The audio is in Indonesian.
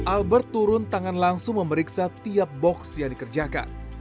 albert turun tangan langsung memeriksa tiap box yang dikerjakan